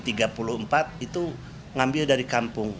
dia itu mengambil dari kampung